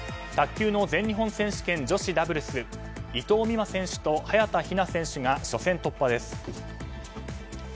卓球の全日本選手権女子ダブルス伊藤美誠選手と早田ひな選手が初戦突破です。